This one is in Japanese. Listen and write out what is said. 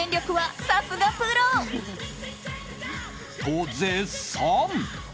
と、絶賛！